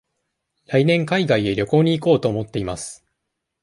来年海外へ旅行に行こうと思っています。